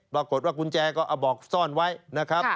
ปรากฏว่ากุญแจก็เอาบอกซ่อนไว้นะครับ